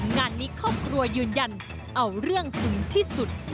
งานนี้ครอบครัวยืนยันเอาเรื่องถึงที่สุด